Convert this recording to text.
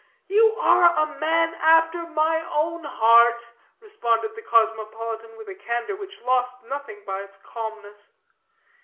"You are a man after my own heart," responded the cosmopolitan, with a candor which lost nothing by its calmness.